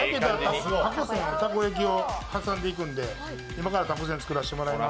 たこ焼きを挟んでいくので、今からたこせん作らせていただきます。